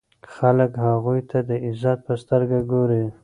خلک هغوی ته د عزت په سترګه ګوري.